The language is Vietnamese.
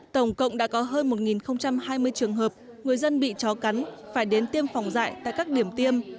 tổng cộng đã có hơn một hai mươi trường hợp người dân bị chó cắn phải đến tiêm phòng dạy tại các điểm tiêm